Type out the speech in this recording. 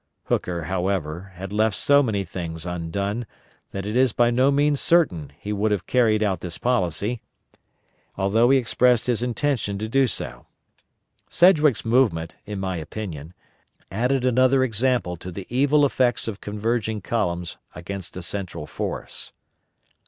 Hooker, however, had left so many things undone, that it is by no means certain he would have carried out this policy, although he expressed his intention to do so. Sedgwick's movement, in my opinion, added another example to the evil effects of converging columns against a central force.